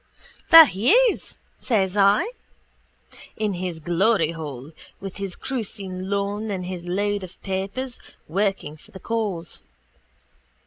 —There he is, says I, in his gloryhole, with his cruiskeen lawn and his load of papers, working for the cause.